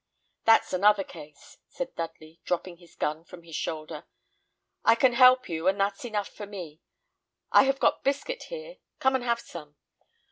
"That's another case," said Dudley, dropping his gun from his shoulder; "I can help you, and that's enough for me. I have got biscuit here; come and have some."